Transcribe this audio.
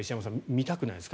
見たくないですか？